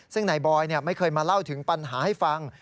ซึ่งนายบอยไม่เคยมาเล่าถึงปัญหาให้ฟัง